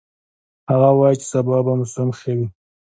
هغه وایي چې سبا به موسم ښه وي